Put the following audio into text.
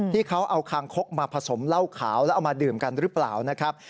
ที่เขาเอาคางคกมาผสมเหล้าขาวแล้วเอามาดื่มกันหรือเปล่านะครับ